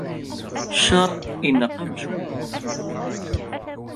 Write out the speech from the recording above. Ccer ineqq amcum.